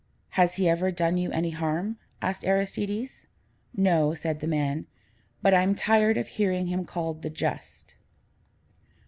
Has he ever done you any harm?" asked Aristides. "No," said the man, "but I'm tired of hearing him called the Just."